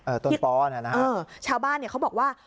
ต้นปอเนี่ยนะฮะเออชาวบ้านเนี่ยเขาบอกว่า